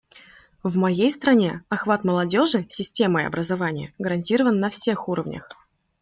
В моей стране охват молодежи системой образования гарантирован на всех уровнях.